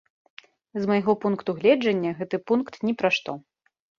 З майго пункту гледжання, гэты пункт ні пра што.